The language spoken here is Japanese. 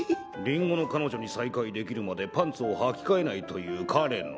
リンゴの彼女に再会できるまでパンツをはき替えないという彼の。